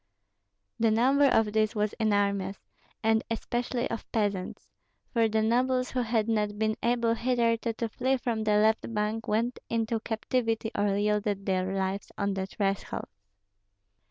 The number of these was enormous, and especially of peasants; for the nobles who had not been able hitherto to flee from the left bank went into captivity or yielded their lives on their thresholds.